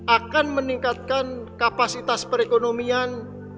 akan meningkatkan kapasitas perekonomian dua puluh dua puluh lima